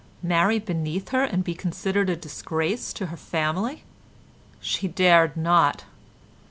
Marry beneath her and be considered a disgrace to her family? She dared not.